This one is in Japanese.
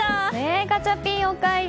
ガチャピン、おかえり！